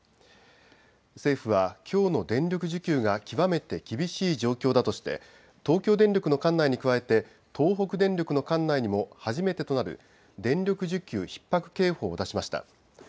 政府はきょうの電力需給が極めて厳しい状況だとして東京電力の管内に加えて東北電力の管内にも初めてとなる電力需給ひっ迫警報を出しました。